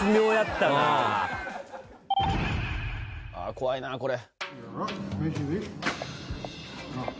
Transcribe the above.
怖いなこれ。